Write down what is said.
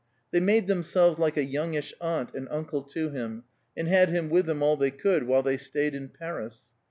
They made themselves like a youngish aunt and uncle to him, and had him with them all they could while they stayed in Paris.